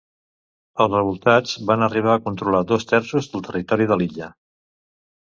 Els revoltats van arribar a controlar dos terços del territori de l'illa.